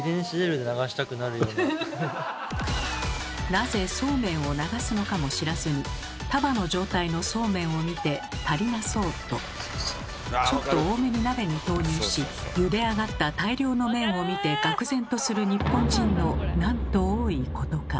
なぜそうめんを流すのかも知らずに束の状態のそうめんを見て「足りなそう」とちょっと多めに鍋に投入しゆで上がった大量の麺を見てがく然とする日本人のなんと多いことか。